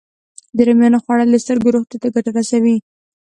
د رومیانو خوړل د سترګو روغتیا ته ګټه رسوي